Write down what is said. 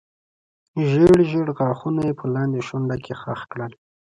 ژېړ ژېړ غاښونه یې په لاندې شونډه کې خښ کړل.